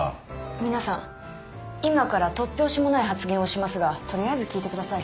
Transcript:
皆さん今から突拍子もない発言をしますが取りあえず聞いてください。